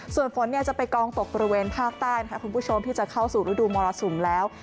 ส่วนฝนจะไปกองตกบริเวณภาคใต้ค่ะคุณผู้ชมที่จะเข้าสู่ฤดูมรสุมแล้ว